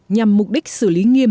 nhằm mục đích xử lý nghiêm